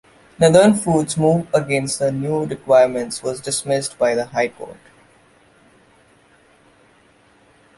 Northern Foods' move against the new requirements was dismissed by the High Court.